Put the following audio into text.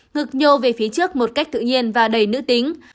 ngực nhô về phía trước một cách tự nhiên và đầy nữ tính